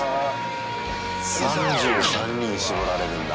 ３３人に絞られるんだ。